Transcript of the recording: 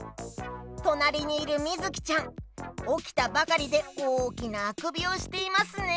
となりにいるみずきちゃんおきたばかりでおおきなあくびをしていますね！